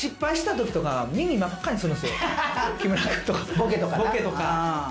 ボケとかな。